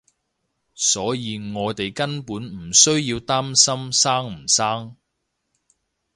所以我哋根本唔需要擔心生唔生